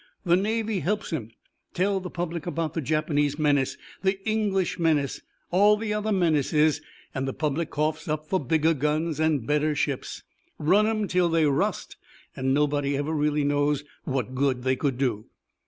The Navy helps him. Tell the public about the Japanese menace, the English menace, all the other menaces, and the public coughs up for bigger guns and better ships. Run 'em till they rust and nobody ever really knows what good they could do."